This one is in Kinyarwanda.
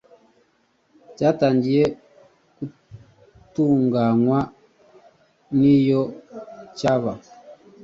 cyatangiye gutunganywa n iyo cyaba